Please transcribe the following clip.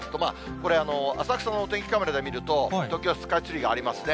これ、浅草のお天気カメラで見ると、東京スカイツリーがありますね。